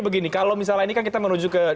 begini kalau misalnya ini kan kita menuju ke